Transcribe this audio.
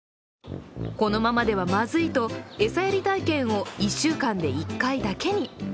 このままではまずいと餌やり体験を１週間で１回だけに。